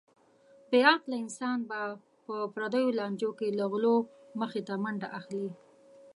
بې عقل انسان به په پردیو لانجو کې له غولو مخته منډه اخلي.